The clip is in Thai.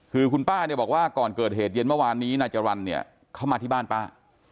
คือคุณป้าเนี่ยบอกว่าก่อนเกิดเหตุเย็นเมื่อวานนี้นายจรรย์เนี่ยเข้ามาที่บ้านป้า